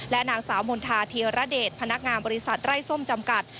นางสาวมณฑาธีรเดชพนักงานบริษัทไร้ส้มจำกัด